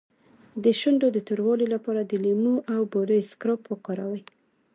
د شونډو د توروالي لپاره د لیمو او بورې اسکراب وکاروئ